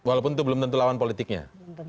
walaupun itu belum tentu lawan politiknya